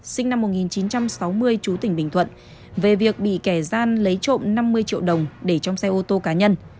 sinh năm một nghìn chín trăm sáu mươi chú tỉnh bình thuận về việc bị kẻ gian lấy trộm năm mươi triệu đồng để trong xe ô tô cá nhân